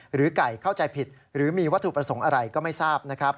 หรือไก่เข้าใจผิดหรือมีวัตถุประสงค์อะไรก็ไม่ทราบนะครับ